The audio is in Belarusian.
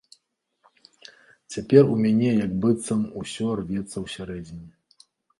Цяпер у мяне як быццам усё рвецца ўсярэдзіне.